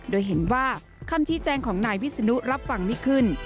โดยเห็นว่าคำชี้แจงของนายวิศนุรับฟังไม่ขึ้น